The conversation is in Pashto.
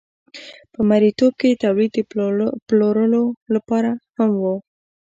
په مرئیتوب کې تولید د پلورلو لپاره هم و.